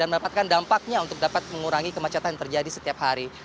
dan mendapatkan dampaknya untuk dapat mengurangi kemacetan yang terjadi setiap hari